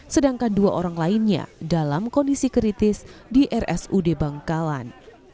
sedangkan dua orang lainnya dalam kondisi kritis di rsud bangkalan